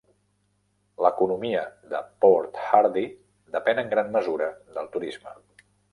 L'economia de Port Hardy depèn en gran mesura del turisme.